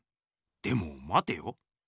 でもまてよ。